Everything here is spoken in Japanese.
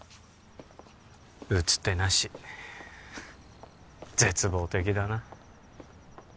打つ手なし絶望的だな